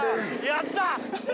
やったぜ！